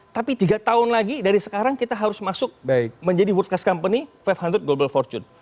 tapi tiga tahun lagi dari sekarang kita harus masuk menjadi world cast company lima global fortune